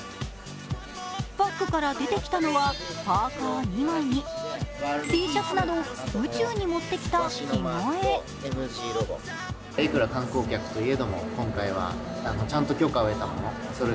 バッグから出てきたのは、パーカー２枚にＴシャツなど宇宙に持ってきた着替え。